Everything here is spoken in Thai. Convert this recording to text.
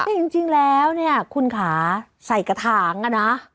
พี่จริงแล้วนี่คุณขาใส่กระทางนะ